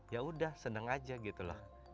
ya sudah senang saja gitu loh